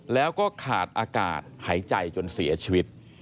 แล้วก็ขาดอากาศหายใจจนเสียชีวิต